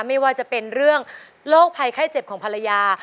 ไม่ว่าจะเป็นเรื่องโรคภัยไข้เจ็บของภรรยา